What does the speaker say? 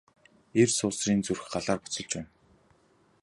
Эр суусрын зүрх Галаар буцалж байна.